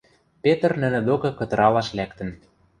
Петр нӹнӹ докы кытыралаш лӓктӹн.